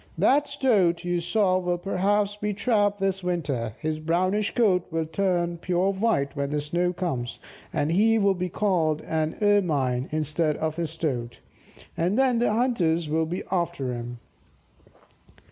That Stoat you saw will perhaps be trapped this winter; his brownish coat will turn pure white when the snow comes, and he will be called an 'Ermine' instead of a 'Stoat'; and then the hunters will be after him."